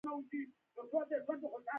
تاریخي ځایونه وساتئ